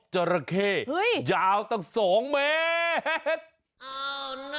จราเข้ยาวตั้ง๒เมตร